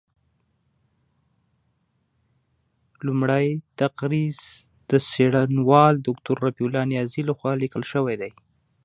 لومړۍ تقریض د څېړنوال دوکتور رفیع الله نیازي له خوا لیکل شوی دی.